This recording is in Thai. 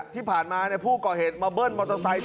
ที่ผ่านมาผู้ก่อเหตุมาเบิ้ลมอเตอร์ไซค์